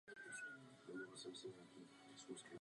Předmětem navádění může být prakticky jakýkoli čin.